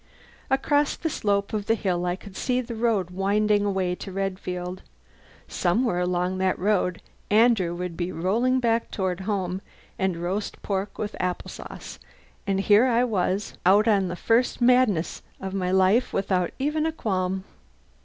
Across the slope of the hill I could see the road winding away to Redfield. Somewhere along that road Andrew would be rolling back toward home and roast pork with apple sauce; and here was I, setting out on the first madness of my life without even a qualm.